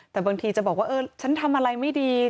แต่บางทีจะบอกว่าเออฉันทำอะไรไม่ดี